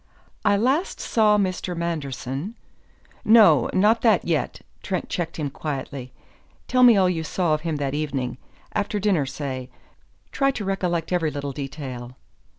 "I last saw Mr. Manderson " "No, not that yet," Trent checked him quietly. "Tell me all you saw of him that evening after dinner, say. Try to recollect every little detail."